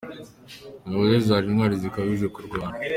Ingabo ze zari intwari zikabije kurwana.